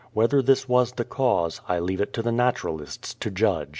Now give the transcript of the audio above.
Whether this was the cause, I leave it to naturalists to judge.